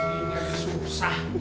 ini agak susah